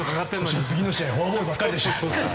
そして次の試合フォアボールばかりで。